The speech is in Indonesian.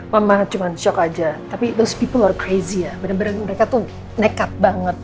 mama cuman shock aja tapi those people are crazy ya bener bener mereka tuh nekat banget